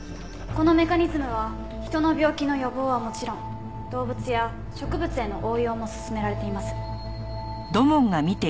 このメカニズムはヒトの病気の予防はもちろん動物や植物への応用も進められています。